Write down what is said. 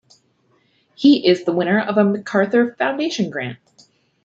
He is the winner of a MacArthur Foundation grant.